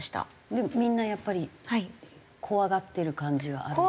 でもみんなやっぱり怖がってる感じはありますか？